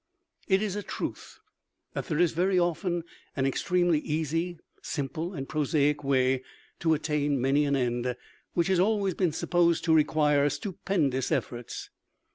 It is a truth that there is very often an extremely easy, simple and prosaic way to attain many an end, which has always been supposed to require stupendous efforts.